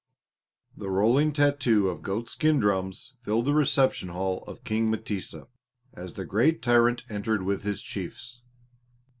The rolling tattoo of goat skin drums filled the royal reception hall of King M'tesa, as the great tyrant entered with his chiefs.